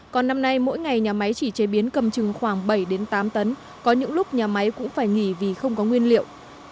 còn năm nay mỗi ngày nhà máy chỉ chế biến cầm chừng khoảng bảy tám tấn có những lúc nhà máy cũng phải nghỉ vì không có nguyên liệu